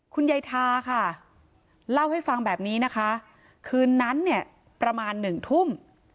คุณยายทาค่ะเล่าให้ฟังแบบนี้นะคะคืนนั้นเนี่ยประมาณหนึ่งทุ่ม